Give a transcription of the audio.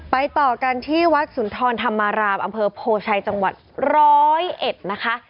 ไปต่อกันที่วัดสุนทรธรรมราบอำเภอโพชัยจังหวัด๑๐๑นะคะ